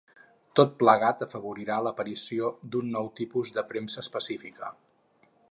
Tot plegat afavorirà l'aparició d'un nou tipus de premsa específica.